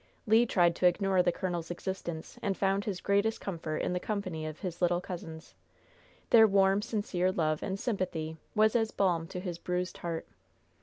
Le tried to ignore the colonel's existence, and found his greatest comfort in the company of his little cousins. Their warm, sincere love and sympathy was as balm to his bruised heart.